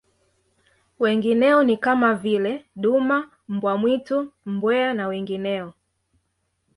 Wengineo ni kama vile duma mbwa mwitu mbweha na wengineo